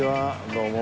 どうも。